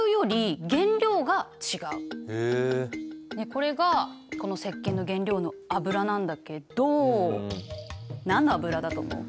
これがこのせっけんの原料の油なんだけど何の油だと思う？